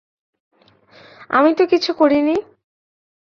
আমি তো কিছু করিনি।